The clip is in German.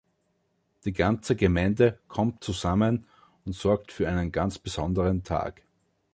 Die ganze Gemeinde kommt zusammen und sorgt für einen ganz besonderen Tag.